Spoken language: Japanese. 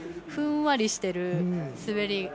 ふんわりしている滑り。